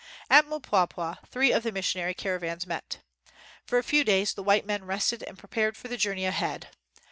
At Mpwapwa three of the missionary car avans met. For a few days the white men rested and prepared for the journey ahead.